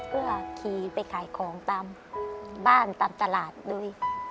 เพื่อขี่ไปขายของตามบ้านตามตลาดด้วย